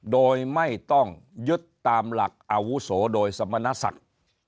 โดยไม่ต้องยึดตามหลักอาวุโสโดยสมณศักดิ์